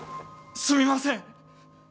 すみません！